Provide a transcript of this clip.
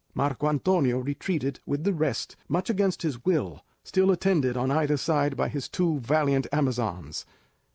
Marco Antonio retreated with the rest, much against his will, still attended on either side by his two valiant Amazons.